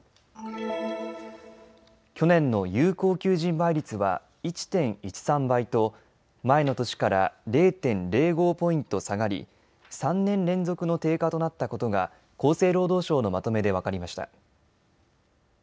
去年の有効求人倍率は１．１３倍と前の年から０．０５ポイント下がり、３年連続の低下となったことが厚生労働省のまとめで分かりました。